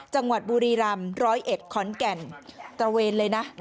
จังหวัดบุรีรำ๑๐๑ขอนแก่นตระเวนเลยนะ